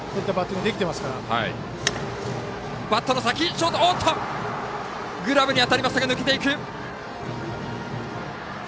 グラブに当たりましたが抜けていく。